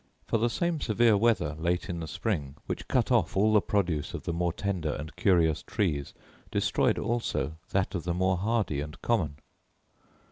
For the same severe weather, late in the spring, which cut off all the produce of the more tender and curious trees, destroyed also that of the more hardy and common.